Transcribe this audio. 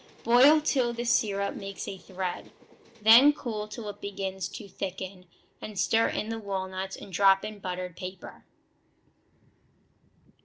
Boil till the syrup makes a thread, then cool till it begins to thicken, and stir in the walnuts and drop on buttered paper.